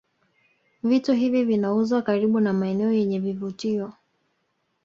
Vitu hivi vinauzwa karibu na maeneo yenye vivutio